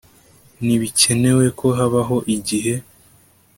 Ntibikenewe ko habaho igihe